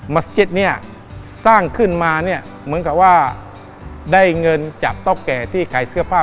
สเก็ตเนี่ยสร้างขึ้นมาเนี่ยเหมือนกับว่าได้เงินจากเท่าแก่ที่ขายเสื้อผ้า